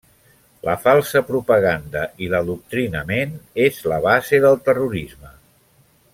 La falsa propaganda i l'adoctrinament és la base del terrorisme.